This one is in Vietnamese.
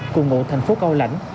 cùng ngộ thành phố cao lãnh